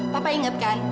papa inget kan